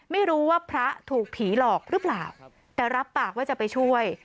ไม่รู้ว่าพระถูกผีหลอกหรือเปล่าแต่รับปากว่าจะไปช่วย